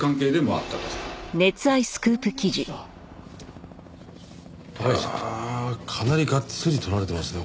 ああかなりがっつり撮られてますね